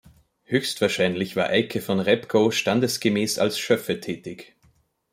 Höchstwahrscheinlich war Eike von Repgow standesgemäß als Schöffe tätig.